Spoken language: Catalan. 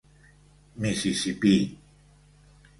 Mississipí.